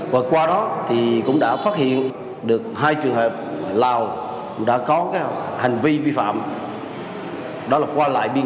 và qua đó thì cũng đã phát hiện được hai trường hợp lào đã có hành vi vi phạm đó là qua lại biên giới